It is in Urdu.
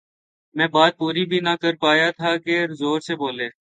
میں بات پوری بھی نہ کرپا یا تھا کہ زور سے بولے